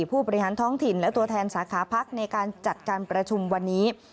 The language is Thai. ผู้บริหารท้องถิ่นและตัวแทนสาขาพักในการจัดการประชุมวันนี้